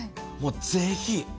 もうぜひ！